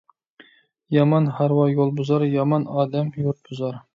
يامان ھارۋا يول بۇزار، يامان ئادەم يۇرت بۇزار.